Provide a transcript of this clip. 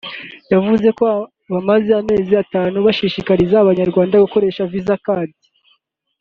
yavuze ko bamaze amezi atatu bashishikariza Abanyarwanda gukoresha Visa Card